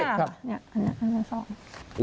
นี่ครับอันนั้น๒